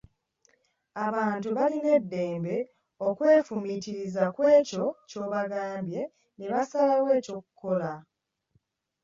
Abantu balina eddembe okwefumiitiriza kw'ekyo ky'obagambye ne basalawo eky'okukola.